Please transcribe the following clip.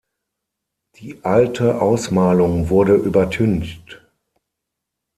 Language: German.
Die alte Ausmalung wurde übertüncht.